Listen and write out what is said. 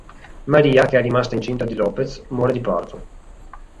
Maria, che è rimasta incinta di Lopez, muore di parto.